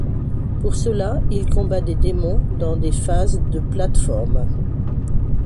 Pour cela il combat des démons dans des phases de plate-forme.